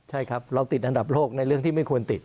ใช่ครับเราติดอันดับโลกในเรื่องที่ไม่ควรติด